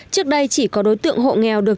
trước đây chỉ có đối tượng hộ nghèo được